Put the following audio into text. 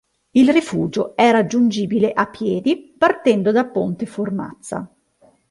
Il rifugio è raggiungibile a piedi partendo da Ponte Formazza.